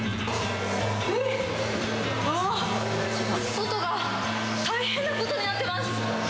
うわー、外が大変なことになっています。